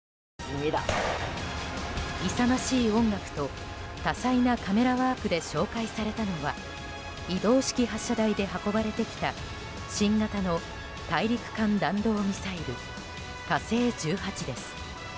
勇ましい音楽と多彩なカメラワークで紹介されたのは移動式発射台で運ばれてきた新型の大陸間弾道ミサイル「火星１８」です。